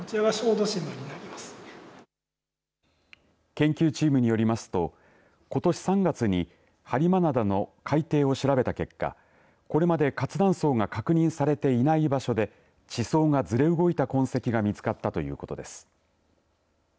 研究チームによりますとことし３月に播磨灘の海底を調べた結果これまで活断層が確認されていない場所で地層がずれ動いた痕跡が見つかったということです。